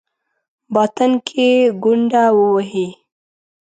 باطن کې ګونډه ووهي.